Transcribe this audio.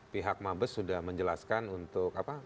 pihak mabes sudah menjelaskan untuk apa